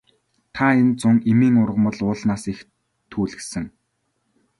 Та энэ зун эмийн ургамал уулнаас их түүлгэсэн.